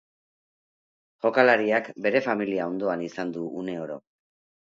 Jokalariak bere familia ondoan izan du uneoro.